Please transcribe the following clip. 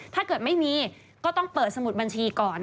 ถ้าเกิดไม่มีก็ต้องเปิดสมุดบัญชีก่อน